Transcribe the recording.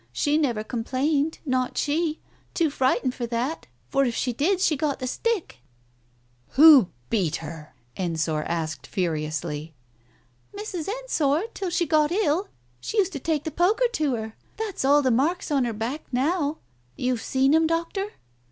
She never complained, not she — too frightened for that, for if she did she got the stick "" Who beat her ?" Ensor asked, furiously. "Mrs. Ensor, till she got ill. She used to take the poker to her. There's all the marks on her back now — you've seen 'em, Doctor?"